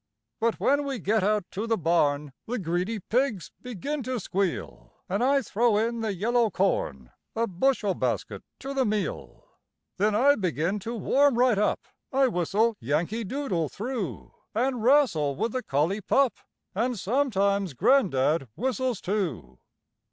But when we get out to the barn The greedy pigs begin to squeal, An' I throw in the yellow corn, A bushel basket to the meal. Then I begin to warm right up, I whistle "Yankee Doodle" through, An' wrastle with the collie pup And sometimes gran'dad whistles too.